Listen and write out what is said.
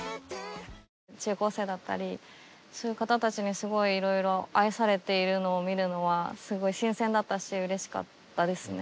中高生だったりそういう方たちにすごいいろいろ愛されているのを見るのはすごい新鮮だったしうれしかったですね。